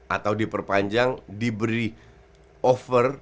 atau diperpanjang diberi offer